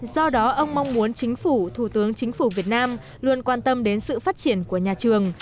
do đó ông mong muốn chính phủ thủ tướng chính phủ việt nam luôn quan tâm đến sự phát triển của nhà trường